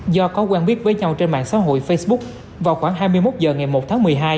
do có quen biết với nhau trên mạng xã hội facebook vào khoảng hai mươi một h ngày một tháng một mươi hai